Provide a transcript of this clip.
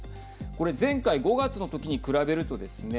これ、前回５月の時に比べるとですね